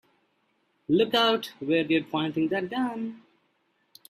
Look out where you're pointing that gun!